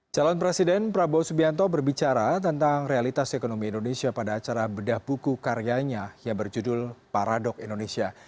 calon presiden prabowo subianto berbicara tentang realitas ekonomi indonesia pada acara bedah buku karyanya yang berjudul paradok indonesia